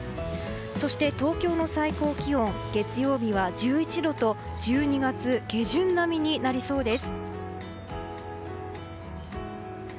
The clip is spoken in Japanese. そして、東京の最高気温は月曜日は１１度と１２月下旬並みになりそうです。